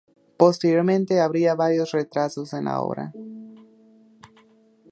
Posteriormente habría varios retrasos en la obra.